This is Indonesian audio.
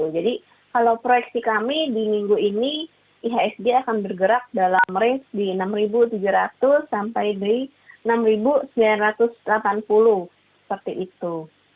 jadi kalau proyeksi kami di minggu ini ihsg akan bergerak dalam range di enam tujuh ratus sampai di enam sembilan ratus delapan puluh seperti itu